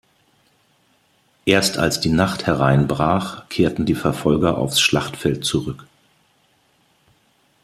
Erst als die Nacht hereinbrach, kehrten die Verfolger aufs Schlachtfeld zurück.